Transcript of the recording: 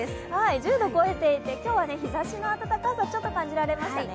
１０度超えていて、今日、日ざしの暖かさ、ちょっと感じられましたね。